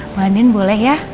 mbak andin boleh ya